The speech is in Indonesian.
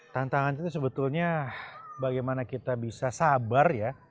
tantangan itu sebetulnya bagaimana kita bisa sabar ya